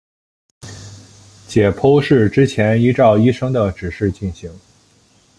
解剖是之前依照医生的指示进行。